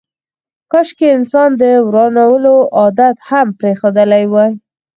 کاشکي انسان د ورانولو عادت پرېښودلی وای.